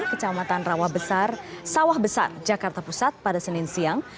kecamatan rawa besar sawah besar jakarta pusat pada senin siang